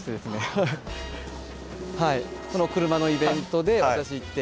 その車のイベントで私行って。